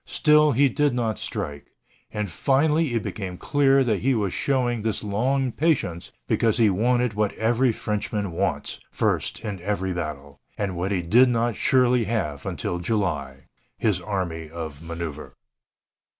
Still he did not strike. And finally it became clear that he was showing this long patience because he wanted what every Frenchman wants first in every battle, and what he did not surely have until July his army of manœuvre.